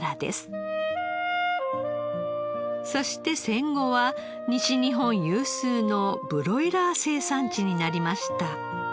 そして戦後は西日本有数のブロイラー生産地になりました。